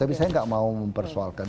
tapi saya nggak mau mempersoalkan